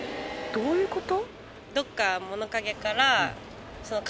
どういうこと？